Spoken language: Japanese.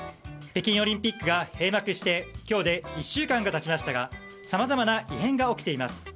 北京オリンピックが閉幕して今日で１週間が経ちましたがさまざまな異変が起きています。